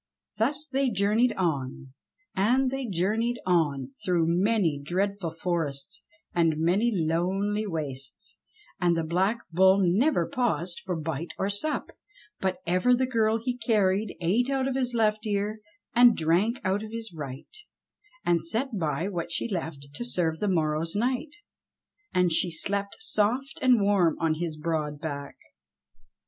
Thus they journeyed on and they journeyed on through many dreadful forests and many lonely wastes, and the Black Bull never paused for bite or sup, but ever the girl he carried ate out of his left ear, and drank out of his right, and set by what she left to serve the morrow's night. And she slept soft and warm on his broad back.